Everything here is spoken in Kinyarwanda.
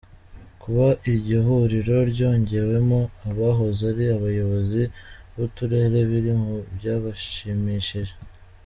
Kuba iryo huriro ryongewemo abahoze ari abayobozi b’uturere biri mu byabashimishije.